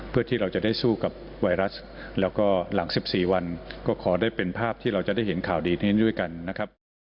เพื่อที่เราจะได้สู้กับไวรัสแล้วก็หลัง๑๔วันก็ขอได้เป็นภาพที่เราจะได้เห็นข่าวดีนี้ด้วยกันนะครับ